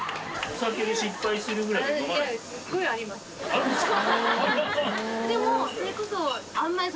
あるんですか！